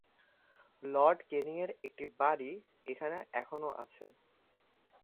Lord ক্যানিং-এর একটি বাড়ি এখানে এখনও আছে।